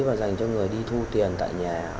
và dành cho người đi thu tiền tại nhà